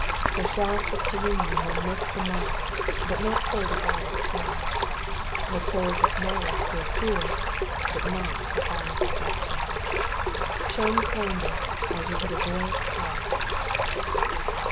The shafts of calumny will miss the mark, but not so the arrows of Ood : the coals of malice will cool, but not the fire of justice. Shun slander as you would avoid hell.